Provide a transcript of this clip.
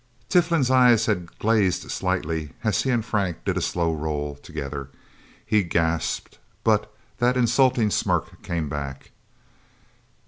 Tiflin's eyes had glazed slightly, as he and Frank did a slow roll, together. He gasped. But that insulting smirk came back.